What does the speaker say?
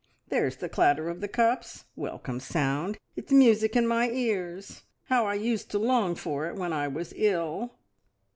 There's the clatter of the cups. Welcome sound, it's music in my ears! How I used to long for it when I was ill!"